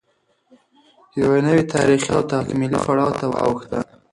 یوه نوې تارېخي او تکاملي پړاو ته واوښته